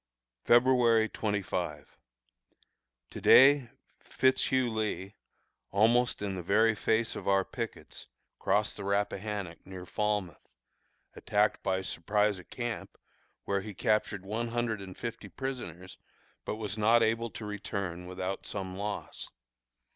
February 25. To day Fitz Hugh Lee, almost in the very face of our pickets, crossed the Rappahannock near Falmouth, attacked by surprise a camp, where he captured one hundred and fifty prisoners, but was not able to return without some loss.